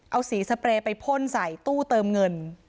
เอาสีสเปรย์ไปพ่นใส่ตู้เติมเงิน